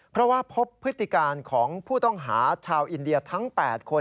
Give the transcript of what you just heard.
เพราะว่าพบพฤติการของผู้ต้องหาชาวอินเดียทั้ง๘คน